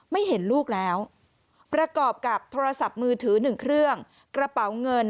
ไม่เห็นลูกแล้วประกอบกับโทรศัพท์มือถือหนึ่งเครื่องกระเป๋าเงิน